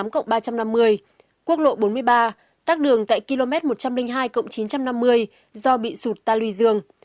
quốc lộ bốn mươi ba tác đường tại km một trăm linh hai chín trăm năm mươi do bị sụt ta luy dương